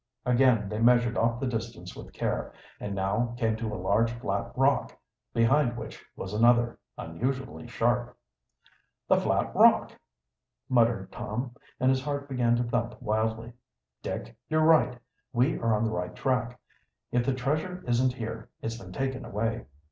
Again they measured off the distance with care, and now came to a large flat rock, behind which was another, unusually sharp. "The flat rock!" muttered Tom, and his heart began to thump wildly. "Dick, you're right. We are on the right track. If the treasure isn't here, it's been taken away."